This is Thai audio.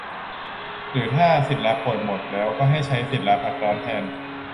หรือถ้าสิทธิ์ลาป่วยหมดแล้วก็ให้ใช้สิทธิ์ลาพักร้อนแทน